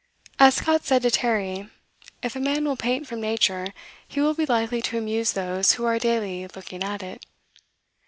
'" As Scott said to Terry, "If a man will paint from nature, he will be likely to amuse those who are daily looking at it."